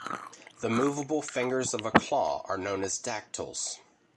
The moveable fingers of a claw are known as dactyls.